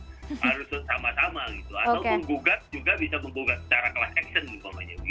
atau membugat juga bisa membugat secara kelas action umpamanya gitu